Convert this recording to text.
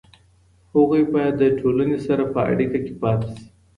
هغوی باید د ټولنې سره په اړیکه کې پاتې شي.